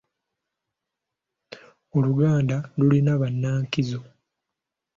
Oluganda lulina bannankizo?